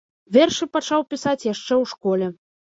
Вершы пачаў пісаць яшчэ ў школе.